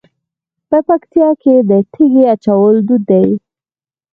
په پکتیا کې د تیږې اچول دود دی.